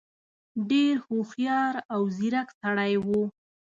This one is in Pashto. ډېر هوښیار او ځيرک سړی وو.